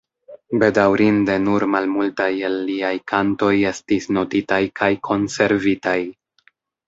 Bedaŭrinde nur malmultaj el liaj kantoj estis notitaj kaj konservitaj.